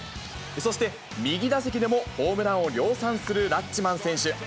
そして、右打席でもホームランを量産するラッチマン選手。